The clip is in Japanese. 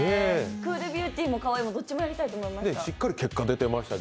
クールビューティーもかわいいもどっちもやりたいと思いました。